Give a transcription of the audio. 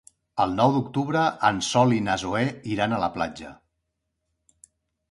El nou d'octubre en Sol i na Zoè iran a la platja.